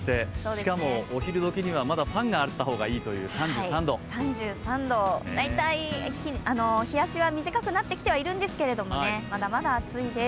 しかも、お昼どきにはまだファンがあった方がいいという、３３度。大体日ざしは短くなってきていはいるんですが、まだまだ暑いです。